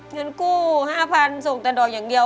เงินกู้๕๐๐๐ส่งแต่ดอกอย่างเดียว